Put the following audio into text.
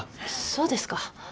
そうですか。